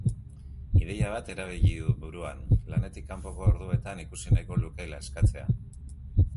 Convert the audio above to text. Ideia bat erabili du buruan, lanetik kanpoko orduetan ikusi nahiko lukeela eskatzea.